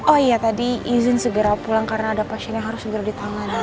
oh iya tadi izin segera pulang karena ada pasien yang harus segera ditangani